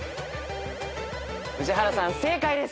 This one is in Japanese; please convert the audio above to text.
宇治原さん正解です。